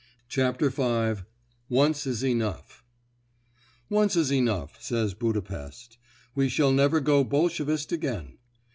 CHAPTER V—ONCE IS ENOUGH Once is enough," says Budapest. "We shall never go Bolshevist again."